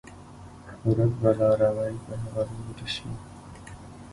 ورک به لاروی په هغه لوري شو